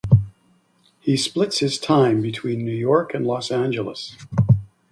He splits his time between New York and Los Angeles.